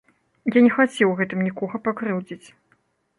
Я не хацеў гэтым нікога пакрыўдзіць.